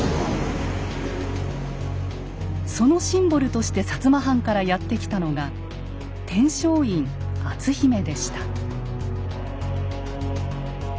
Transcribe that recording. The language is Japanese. そのシンボルとして薩摩藩からやって来たのが天璋院篤姫でした。